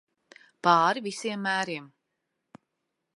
Pāri visiem mēriem.